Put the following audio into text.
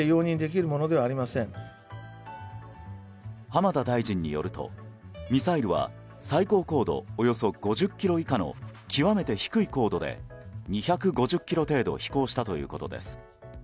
浜田大臣によるとミサイルは最高高度およそ５０ｋｍ以下の極めて低い高度で２５０ｋｍ程度飛行したということです。